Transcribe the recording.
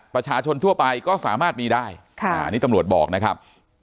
ประชาชนทั่วไปก็สามารถมีได้อันนี้ตำรวจบอกนะครับ